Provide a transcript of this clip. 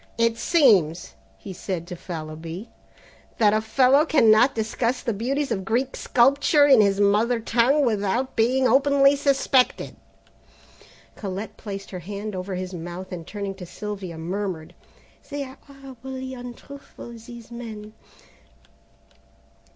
"It seems," he said to Fallowby, "that a fellow cannot discuss the beauties of Greek sculpture in his mother tongue, without being openly suspected." Colette placed her hand over his mouth and turning to Sylvia, murmured, "They are horridly untruthful, these men."